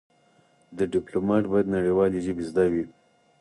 د ډيپلومات بايد نړېوالې ژبې زده وي.